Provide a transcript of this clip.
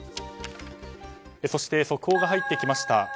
そして速報が入ってきました。